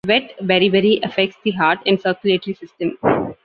Wet beriberi affects the heart and circulatory system.